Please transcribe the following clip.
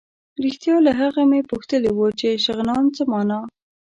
رښتیا له هغه مې پوښتلي وو چې شغنان څه مانا.